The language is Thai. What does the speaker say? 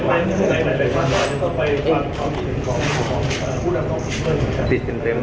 โดยต้องกลับรู้ถึงตอบมาเวลาที่คุณใส่แวงอย่างนั้น